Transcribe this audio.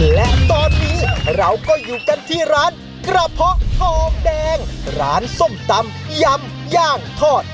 และตอนนี้เราก็อยู่กันที่ร้านกระเพาะทองแดงร้านส้มตำยำย่างทอด